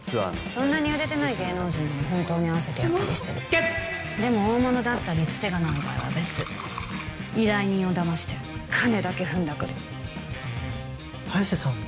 そんなに売れてない芸能人なら本当に会わせてやったりしてるでも大物だったり伝手がない場合は別依頼人を騙して金だけふんだくる早瀬さん